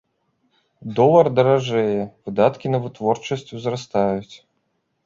Долар даражэе, выдаткі на вытворчасць узрастаюць.